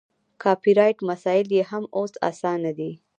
کاپي رایټ مسایل یې هم اوس اسانه دي.